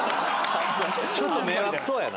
ちょっと迷惑そうやな。